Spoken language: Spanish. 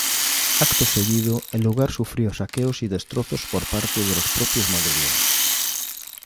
Acto seguido, el lugar sufrió saqueos y destrozos por parte de los propios madrileños.